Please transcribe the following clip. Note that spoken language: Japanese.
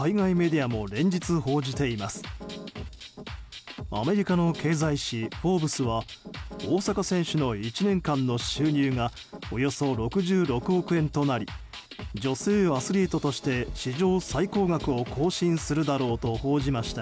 アメリカの経済誌「フォーブス」は大坂選手の１年間の収入がおよそ６６億円となり女性アスリートとして史上最高額を更新するだろうと報じました。